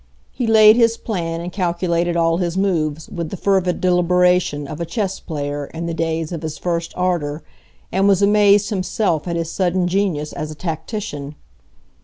He laid his plan and calculated all his moves with the fervid deliberation of a chess player in the days of his first ardor, and was amazed himself at his sudden genius as a tactician.